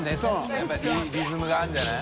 笋辰僂リズムがあるんじゃない？